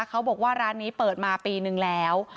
เขาบอกว่าร้านนี้เปิดมาปีนึงแล้ว